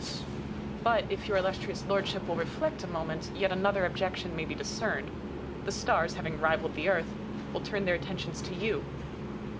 But, if your Illustrious Lordship will reflect a moment, yet another objection may be dis cerned. The stars, having rivalled the Earth, will turn their attentions to you.